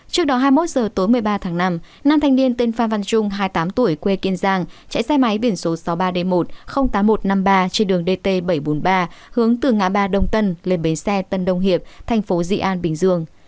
trước đó hai mươi một h tối một mươi ba tháng năm nam thanh niên tên phan văn trung hai mươi tám tuổi quê kiên giang chạy xe máy biển số sáu mươi ba d một tám nghìn một trăm năm mươi ba trên đường dt bảy trăm bốn mươi ba hướng từ ngã ba đông tân lên bến xe tân đông hiệp thành phố dị an bình dương